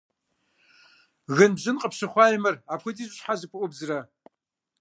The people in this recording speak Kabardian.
Гынбжьын къыпщыхъуаи мыр, апхуэдизу щхьэ зыпыӀубдзрэ?